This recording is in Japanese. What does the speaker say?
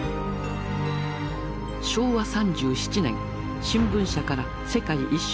昭和３７年新聞社から世界一周